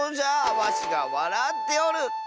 わしがわらっておる！